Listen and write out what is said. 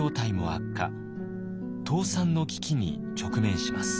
倒産の危機に直面します。